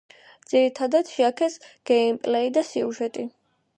ძირითადად შეაქეს გეიმპლეი და სიუჟეტი.